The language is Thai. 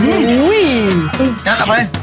กันเอาไป